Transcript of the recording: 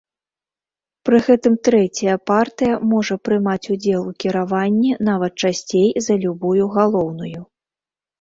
Пры гэтым трэцяя партыя можа прымаць удзел у кіраванні нават часцей за любую галоўную.